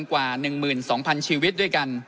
กว่า๑๒๐๐๐ชีวิตด้วยกัน